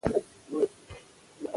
واک د امانت حیثیت لري